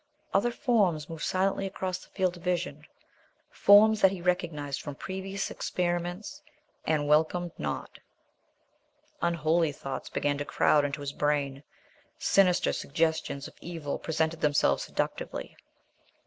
Other forms moved silently across the field of vision, forms that he recognized from previous experiments, and welcomed not. Unholy thoughts began to crowd into his brain, sinister suggestions of evil presented themselves seductively.